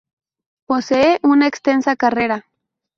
Posee una extensa carrera.